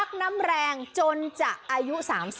แม่มันพักน้ำแรงจนจะอายุ๓๐